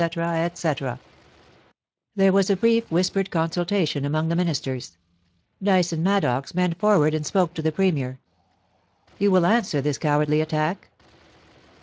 THE IMPEACHMENT OF THE PREMIER. 409 There was a brief whispered consultation among the Ministers. Dyson Maddox bent forward and spoke to the Premier :* You will answer this cowardly attack